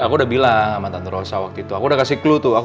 aku udah bilang sama tante rosa waktu itu